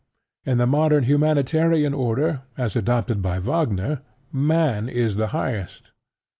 In the modern humanitarian order as adopted by Wagner, Man is the highest.